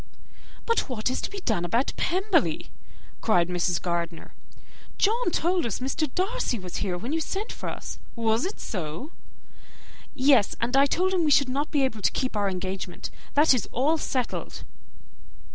"But what is to be done about Pemberley?" cried Mrs. Gardiner. "John told us Mr. Darcy was here when you sent for us; was it so?" "Yes; and I told him we should not be able to keep our engagement. That is all settled."